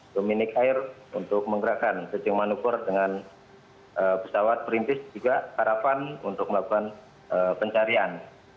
dominic air untuk menggerakkan sejumlah nukur dengan pesawat perintis juga harapan untuk melakukan pencarian